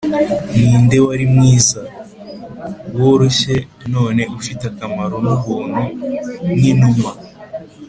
ninde wari mwiza, woroshye none ufite amahoro nubuntu nkinuma.